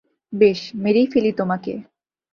বেশ, মেরেই ফেলি তোমাকে!